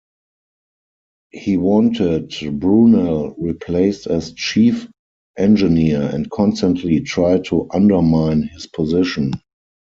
He wanted Brunel replaced as Chief Engineer and constantly tried to undermine his position.